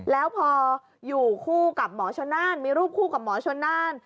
แล้วพออยู่คู่กับหมอชนน่านมีรูปคู่กับหมอชนน่าน